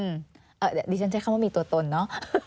เดี๋ยวดิฉันใช้คำว่ามีตัวตนเนอะ